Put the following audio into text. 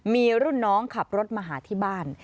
มีรุ่นน้องขับรถมาหาที่บ้าน